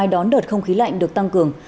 ai đón đợt không khí lạnh được tăng cường